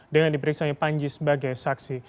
dengan diperiksanya panji sebagai saksi